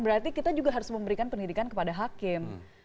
berarti kita juga harus memberikan pendidikan kepada hakim